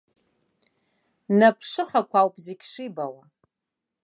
Наԥшыхақә ауп зегьы шибауа.